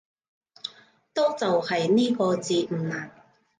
都就係呢個字唔難